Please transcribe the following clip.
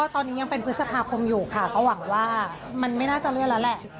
ตอนนี้ยังเป็นพฤษภาคมอยู่ค่ะก็หวังว่ามันไม่น่าจะเลื่อนแล้วแหละ